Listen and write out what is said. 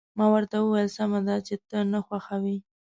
ما ورته وویل: سمه ده، چې ته نه خوښوې.